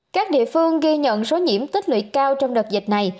các địa phương ghi nhận số nhiễm tích lưỡi cao trong đợt dịch này